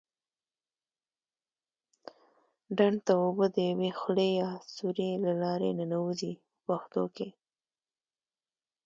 ډنډ ته اوبه د یوې خولې یا سوري له لارې ننوزي په پښتو کې.